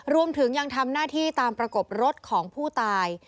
รวมถึงยังทำหน้าที่ตามประกบรถของผู้ตาย